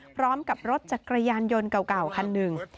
พร้อมกับรถจักรยานยนต์เก่าคันหนึ่ง